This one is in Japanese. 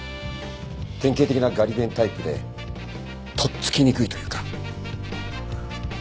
典型的なガリ勉タイプでとっつきにくいというか。